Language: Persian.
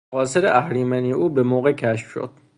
مقاصد اهریمنی او بهموقع کشف شد.